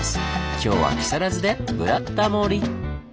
今日は木更津で「ブラタモリ」！